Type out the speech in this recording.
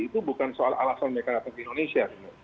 itu bukan soal alasan mereka datang ke indonesia